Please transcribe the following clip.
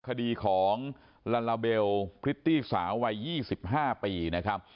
คดีของลาลาเบลพริตตี้สาววัย๒๕ปีนะครับ